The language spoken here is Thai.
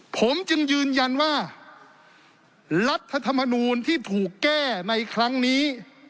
ผมจึงยืนยันว่ารัฐธรรมนูลที่ถูกแก้ในครั้งนี้